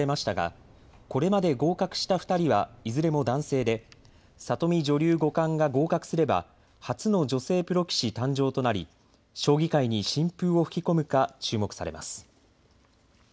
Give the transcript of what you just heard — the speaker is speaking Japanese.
プロ棋士になるための編入試験の制度は２００６年に設けられましたがこれまで合格した２人はいずれも男性で里見女流五冠が合格すれば初の女性プロ棋士誕生となり将棋界に新風を吹き込むか注目されます。